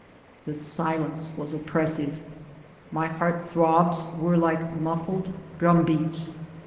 The silence was oppressive; my heart throbs were like muffled drum beats.